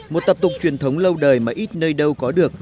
một tập tục truyền thống lâu đời mà ít nơi đâu có được